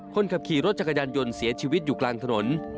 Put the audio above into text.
คนขับขี่รถจักรยานยนต์เสียชีวิตอยู่กลางถนน